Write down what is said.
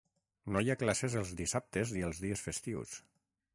No hi ha classes els dissabtes i els dies festius.